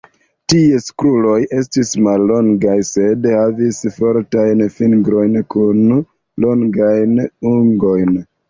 Ties kruroj estis mallongaj, sed havis fortajn fingrojn kun longaj ungoj.